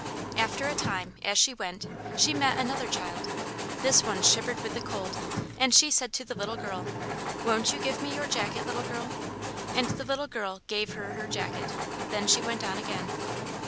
After a time, as she went, she met another child. This one shivered with the cold, and she said to the little girl, "Won't you give me your jacket, little girl?" And the little girl gave her her jacket. Then she went on again.